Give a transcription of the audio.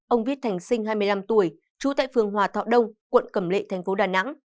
ông viết thành sinh hai mươi năm tuổi trú tại phường hòa thọ đông quận cẩm lệ thành phố đà nẵng